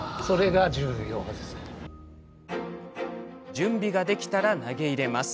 準備ができたら、投げ入れます。